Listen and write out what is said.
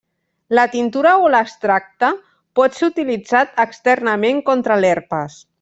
La tintura o l'extracte pot ser utilitzat externament contra l'herpes.